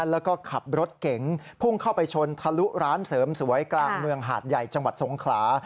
แล้วก็ขับรถเก๋งพุ่งเข้าไปชนทะลุร้านเสริมสวยกลางเมืองหาดใหญ่จังหวัดสงขลา